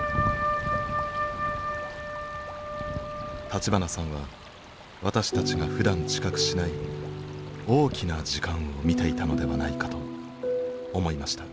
立花さんは私たちがふだん知覚しない大きな時間を見ていたのではないかと思いました。